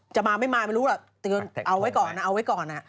จะมาไม่มาไม่รู้แหละเอาไว้ก่อนนะเอาไว้ก่อนนะฮะ